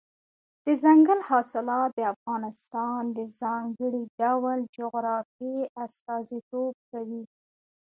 دځنګل حاصلات د افغانستان د ځانګړي ډول جغرافیې استازیتوب کوي.